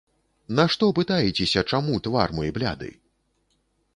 Нашто пытаецеся, чаму твар мой бляды?